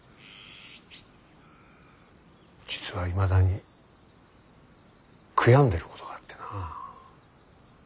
実はいまだに悔やんでることがあってな。